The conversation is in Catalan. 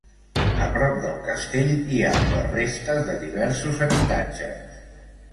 A prop del castell hi ha les restes de diversos habitatges.